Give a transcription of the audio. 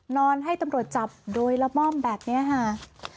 นอนให้ตำรวจจับโดยละม่อมแบบนี้ค่ะ